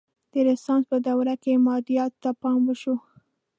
د رنسانس په دوره کې مادیاتو ته پام وشو.